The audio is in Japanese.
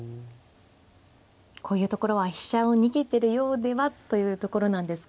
こういうところは飛車を逃げてるようではというところなんですか？